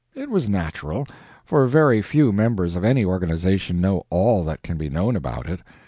It was natural; for very few members of any organization know ALL that can be known about it.